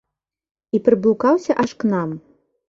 І прыблукаўся аж к нам.